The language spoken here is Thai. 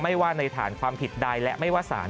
ว่าในฐานความผิดใดและไม่ว่าสาร